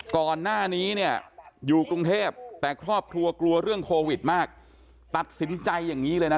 ก่อนหน้านี้เนี่ย